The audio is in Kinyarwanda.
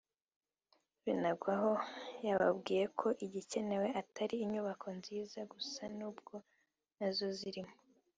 Binagwaho yababwiye ko igikenewe atari inyubako nziza gusa nubwo nazo zirimo